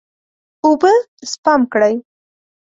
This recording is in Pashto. اوبه سپم کړئ.